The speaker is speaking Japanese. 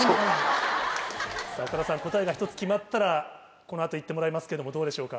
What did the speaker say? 岡田さん答えが１つ決まったらこの後言ってもらいますけどもどうでしょうか？